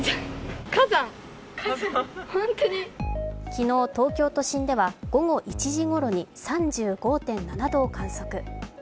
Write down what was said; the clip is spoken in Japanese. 昨日、東京都心では午後１時ごろに３５．７度を観測。